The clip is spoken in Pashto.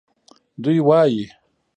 دوی وایي